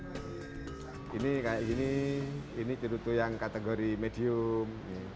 cerutu ini seperti ini ini cerutu yang kategori medium